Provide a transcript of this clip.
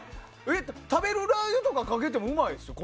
食べるラー油とかかけてもうまいですよ。